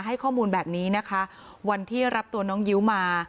ให้ข้อมูลแบบนี้นะคะวันที่รับตัวน้องยิ้วมา